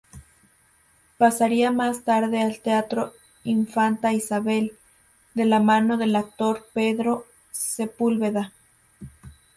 Pasaría más tarde al Teatro Infanta Isabel, de la mano del actor Pedro Sepúlveda.